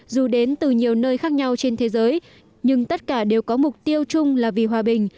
dù đến từ nhiều nơi khác nhau trên thế giới nhưng tất cả đều có mục tiêu chung là vì hòa bình